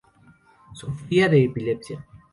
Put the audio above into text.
Sufría de epilepsia.